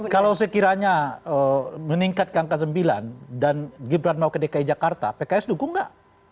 kalau sekiranya meningkat ke angka sembilan dan gibran mau ke dki jakarta pks dukung nggak